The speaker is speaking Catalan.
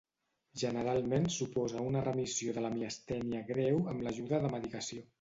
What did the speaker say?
Generalment, suposa una remissió de la miastènia greu amb l'ajuda de medicació.